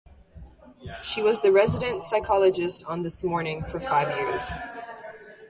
"She was the resident psychologist on "This Morning" for five years.